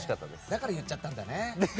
だから言っちゃったんだね。